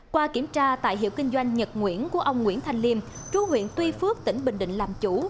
qua kiểm tra tại hiệu kinh doanh nhật nguyễn của ông nguyễn thành liêm chú huyện tuy phước tỉnh bình định làm chủ